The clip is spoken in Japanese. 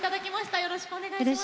よろしくお願いします。